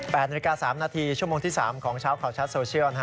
นาฬิกา๓นาทีชั่วโมงที่๓ของเช้าข่าวชัดโซเชียลนะฮะ